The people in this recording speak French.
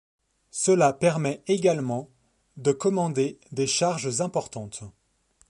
Cela permet également de commander des charges importantes.